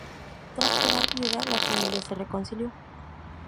Tras quedar viuda, la familia se reconcilió.